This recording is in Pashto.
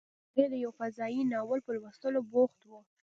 هغه د یو فضايي ناول په لوستلو بوخت و